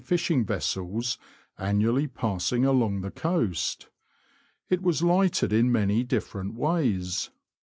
169 fishing vessels annually passing along the coast. It was lighted in many different ways.